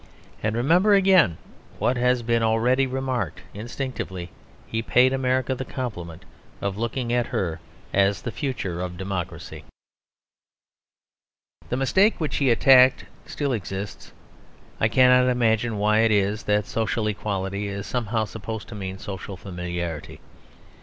And remember again what has been already remarked instinctively he paid America the compliment of looking at her as the future of democracy. The mistake which he attacked still exists. I cannot imagine why it is that social equality is somehow supposed to mean social familiarity.